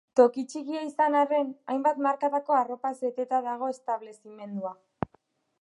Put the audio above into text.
Toki txikia izan arren, hainbat markatako arropaz beteta dago establezimendua